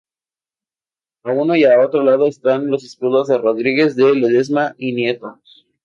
A uno y otro lado están los escudos de Rodríguez de Ledesma y Nieto.